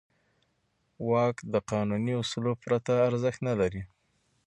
واک د قانوني اصولو پرته ارزښت نه لري.